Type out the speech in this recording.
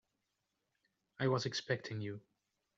I was expecting you.